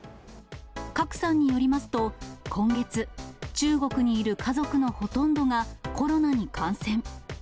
郭さんによりますと、今月、中国にいる家族のほとんどがコロナに感染。